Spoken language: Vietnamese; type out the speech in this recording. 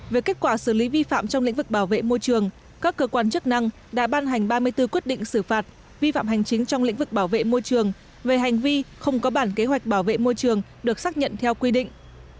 về kết quả xử lý vi phạm trong lĩnh vực bảo vệ môi trường các cơ quan chức năng đã ban hành ba mươi bốn quyết định xử phạt vi phạm hành chính trong lĩnh vực bảo vệ môi trường về hành vi không có bản kế hoạch bảo vệ môi trường được xác nhận theo quy định